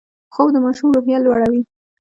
خوب د ماشوم روحیه لوړوي